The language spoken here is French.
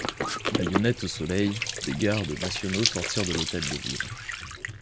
Baïonnettes au soleil, des gardes nationaux sortirent de l'Hôtel de Ville.